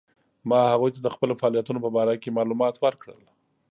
ما هغوی ته د خپلو فعالیتونو په باره کې معلومات ورکړل.